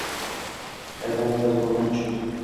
Aylandilar bog‘ni quchib.